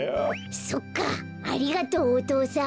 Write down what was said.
そっかありがとうお父さん。